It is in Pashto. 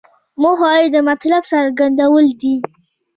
موخه یې د مطلب څرګندول دي.